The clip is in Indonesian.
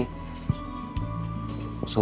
kalau di new york sih